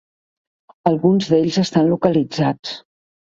Alguns d'ells estan localitzats.